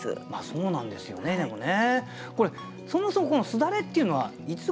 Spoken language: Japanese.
そうなんですよねでもね。